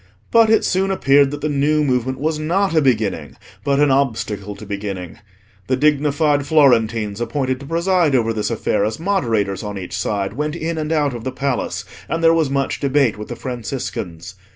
But it soon appeared that the new movement was not a beginning, but an obstacle to beginning. The dignified Florentines appointed to preside over this affair as moderators on each side, went in and out of the Palace, and there was much debate with the Franciscans.